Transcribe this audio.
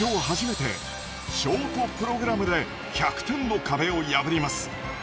初めてショートプログラムで１００点の壁を破ります。